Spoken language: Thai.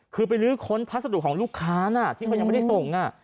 คือไปลื้อค้นพัสดุของลูกค้าที่เขายังไม่ได้ส่ง